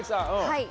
はい。